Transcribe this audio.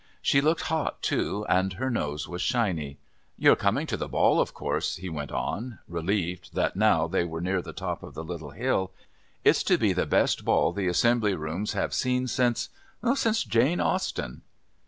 She looked hot, too, and her nose was shiny. "You're coming to the Ball of course," he went on, relieved that now they were near the top of the little hill. "It's to be the best Ball the Assembly Rooms have seen since since Jane Austen."